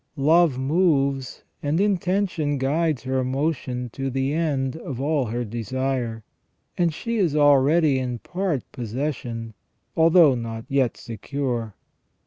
Love moves and intention guides her motion to the end of all her desire, and she is already in part possession, although not yet secure.